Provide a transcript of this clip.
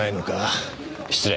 失礼。